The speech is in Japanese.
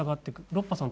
ロッパさん